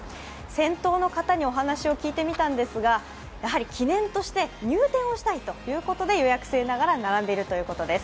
先頭の方にお話を聞いてみたんですが、記念として入店をしたいということで予約制ながら並んでいるということです。